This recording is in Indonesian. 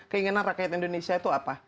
keinginan rakyat indonesia itu apa